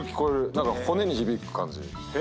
何か骨に響く感じ。